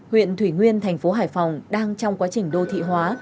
huyện thủy nguyên thành phố hải phòng đang trong quá trình đô thị hóa